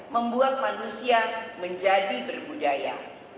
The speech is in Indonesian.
membuat manusia menjadi berbudaya